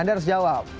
anda harus jawab